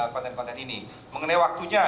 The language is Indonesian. konten konten ini mengenai waktunya